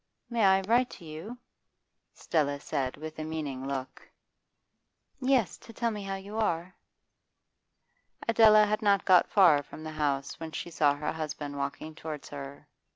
'May I write to you?' Stella said with a meaning look. 'Yes, to tell me how you are.' Adela had not got far from the house when she saw her husband walking towards her.